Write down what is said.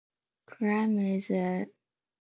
Crime is a significant social issue in Alice Springs.